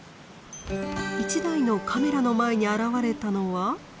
１台のカメラの前に現れたのは。